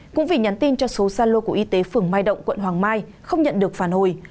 cũng vì nhắn tin cho số gia lô của y tế phường mai động quận hoàng mai không nhận được phản hồi